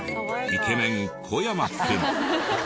イケメン小山くん。